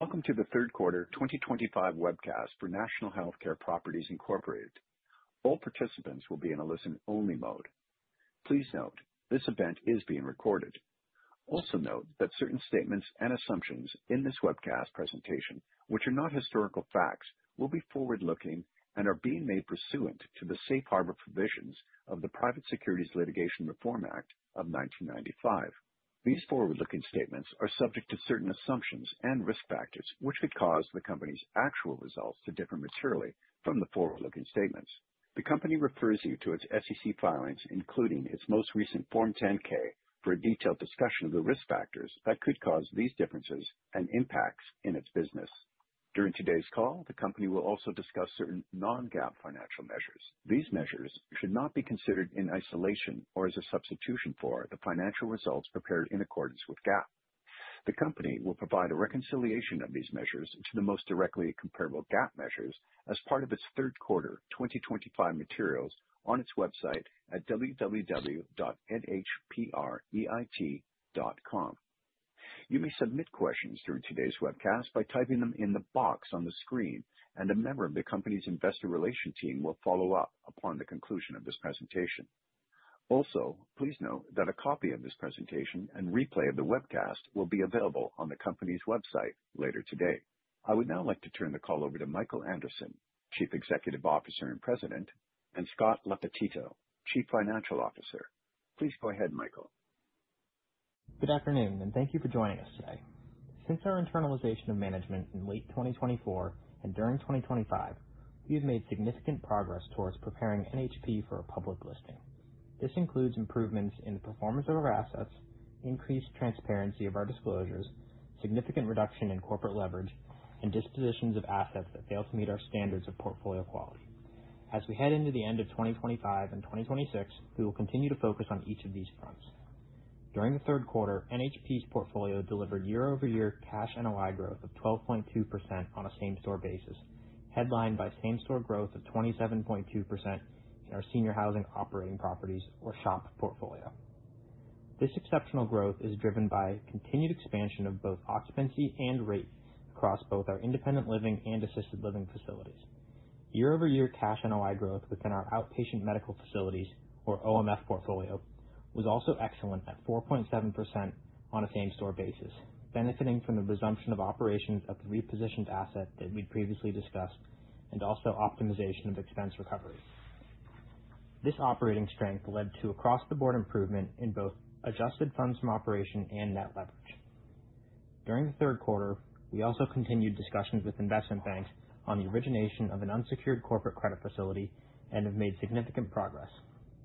Welcome to the third quarter 2025 webcast for National Healthcare Properties Incorporated. All participants will be in a listen-only mode. Please note, this event is being recorded. Also note that certain statements and assumptions in this webcast presentation, which are not historical facts, will be forward-looking and are being made pursuant to the safe harbor provisions of the Private Securities Litigation Reform Act of 1995. These forward-looking statements are subject to certain assumptions and risk factors, which could cause the company's actual results to differ materially from the forward-looking statements. The company refers you to its SEC filings, including its most recent Form 10-K, for a detailed discussion of the risk factors that could cause these differences and impacts in its business. During today's call, the company will also discuss certain non-GAAP financial measures. These measures should not be considered in isolation or as a substitution for the financial results prepared in accordance with GAAP. The company will provide a reconciliation of these measures to the most directly comparable GAAP measures as part of its third quarter 2025 materials on its website at www.nhpreit.com. You may submit questions during today's webcast by typing them in the box on the screen, and a member of the company's investor relations team will follow up upon the conclusion of this presentation. Please note that a copy of this presentation and replay of the webcast will be available on the company's website later today. I would now like to turn the call over to Michael Anderson, Chief Executive Officer and President, and Scott Lappetito, Chief Financial Officer. Please go ahead, Michael. Good afternoon, and thank you for joining us today. Since our internalization of management in late 2024 and during 2025, we have made significant progress towards preparing NHP for a public listing. This includes improvements in the performance of our assets, increased transparency of our disclosures, significant reduction in corporate leverage, and dispositions of assets that fail to meet our standards of portfolio quality. As we head into the end of 2025 and 2026, we will continue to focus on each of these fronts. During the third quarter, NHP's portfolio delivered year-over-year Cash NOI growth of 12.2% on a same-store basis, headlined by Same Store growth of 27.2% in our Senior Housing Operating Properties, or SHOP, portfolio. This exceptional growth is driven by continued expansion of both occupancy and rate across both our independent living and assisted living facilities. Year-over-year cash NOI growth within our Outpatient Medical Facilities, or OMF portfolio, was also excellent at 4.7% on a same-store basis, benefiting from the resumption of operations of the repositioned asset that we'd previously discussed and also optimization of expense recovery. This operating strength led to across-the-board improvement in both adjusted funds from operations and net leverage. During the third quarter, we also continued discussions with investment banks on the origination of an unsecured corporate credit facility and have made significant progress.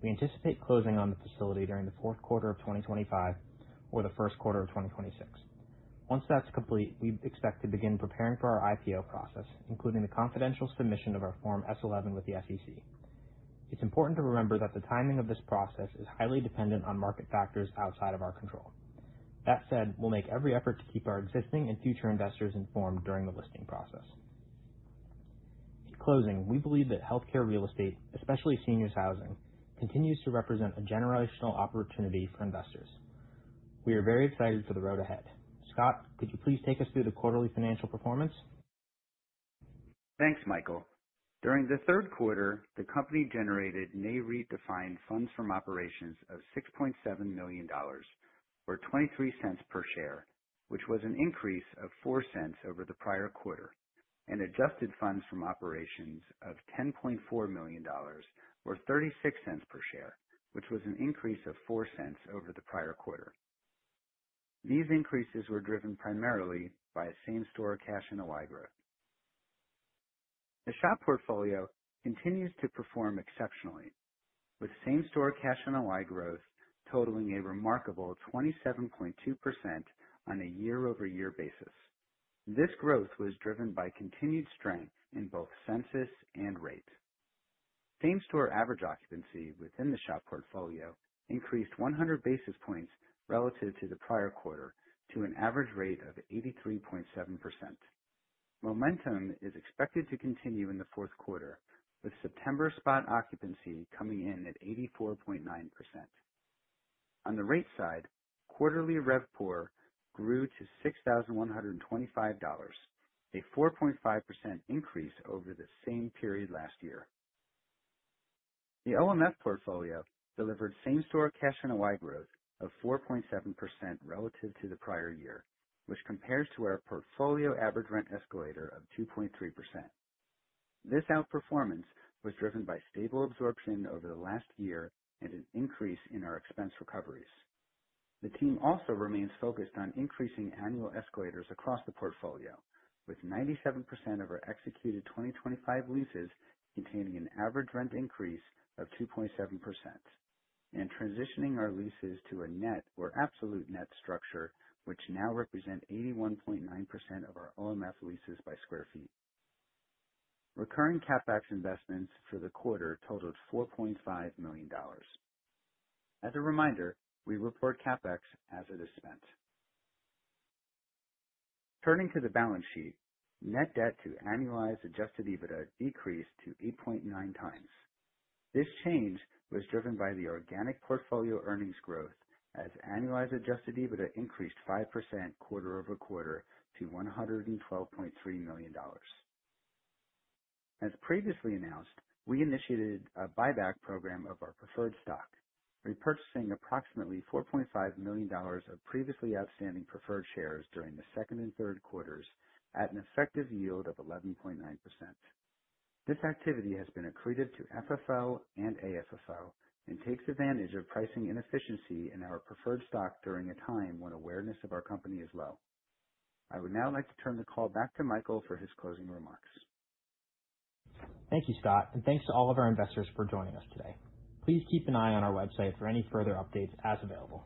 We anticipate closing on the facility during the fourth quarter of 2025 or the first quarter of 2026. Once that's complete, we expect to begin preparing for our IPO process, including the confidential submission of our Form S-11 with the SEC. It's important to remember that the timing of this process is highly dependent on market factors outside of our control. That said, we'll make every effort to keep our existing and future investors informed during the listing process. In closing, we believe that healthcare real estate, especially seniors housing, continues to represent a generational opportunity for investors. We are very excited for the road ahead. Scott, could you please take us through the quarterly financial performance? Thanks, Michael. During the third quarter, the company generated Nareit-defined funds from operations of $6.7 million, or $0.23 per share, which was an increase of $0.04 over the prior quarter, and adjusted funds from operations of $10.4 million, or $0.36 per share, which was an increase of $0.04 over the prior quarter. These increases were driven primarily by Same Store Cash NOI growth. The SHOP portfolio continues to perform exceptionally, with Same Store Cash NOI growth totaling a remarkable 27.2% on a year-over-year basis. This growth was driven by continued strength in both census and rate. Same-store average occupancy within the SHOP portfolio increased 100 basis points relative to the prior quarter to an average rate of 83.7%. Momentum is expected to continue in the fourth quarter, with September spot occupancy coming in at 84.9%. On the rate side, quarterly RevPOR grew to $6,125, a 4.5% increase over the same period last year. The OMF portfolio delivered Same Store Cash NOI growth of 4.7% relative to the prior year, which compares to our portfolio average rent escalator of 2.3%. This outperformance was driven by stable absorption over the last year and an increase in our expense recoveries. The team also remains focused on increasing annual escalators across the portfolio, with 97% of our executed 2025 leases containing an average rent increase of 2.7% and transitioning our leases to a net or absolute net structure, which now represent 81.9% of our OMF leases by square feet. Recurring CapEx investments for the quarter totaled $4.5 million. As a reminder, we report CapEx as it is spent. Turning to the balance sheet, net debt to annualized adjusted EBITDA decreased to 8.9x. This change was driven by the organic portfolio earnings growth as annualized adjusted EBITDA increased 5% quarter-over-quarter to $112.3 million. As previously announced, we initiated a buyback program of our preferred stock, repurchasing approximately $4.5 million of previously outstanding preferred shares during the second and third quarters at an effective yield of 11.9%. This activity has been accretive to FFO and AFFO and takes advantage of pricing inefficiency in our preferred stock during a time when awareness of our company is low. I would now like to turn the call back to Michael for his closing remarks. Thank you, Scott, and thanks to all of our investors for joining us today. Please keep an eye on our website for any further updates as available.